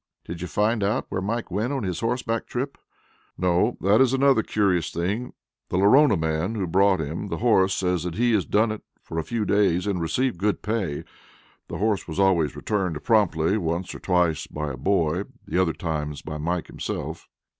"Did you find out where Mike went on his horseback trip?" "No, that is another curious thing. The Lorona man who brought him the horse says he has done it for a few days and received good pay. The horse was always returned promptly, once or twice by a boy; the other times by Mike himself."